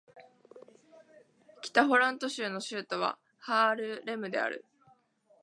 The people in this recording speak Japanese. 北ホラント州の州都はハールレムである